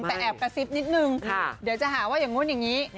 แต่แอบกระซิบนิดนึงเดี๋ยวจะหาว่าอย่างนู้นอย่างนี้